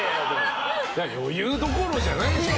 余裕どころじゃないでしょう。